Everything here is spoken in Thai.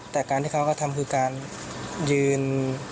แต่การที่เขาก็ทำคือการยืน